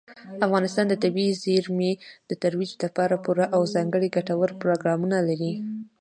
افغانستان د طبیعي زیرمې د ترویج لپاره پوره او ځانګړي ګټور پروګرامونه لري.